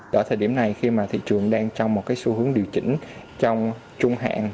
đó thời điểm này khi mà thị trường đang trong một cái xu hướng điều chỉnh trong trung hạn